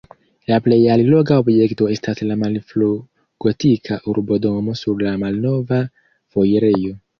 La plej alloga objekto estas la malfrugotika urbodomo sur la Malnova Foirejo.